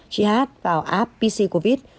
chị hát vào app pccovid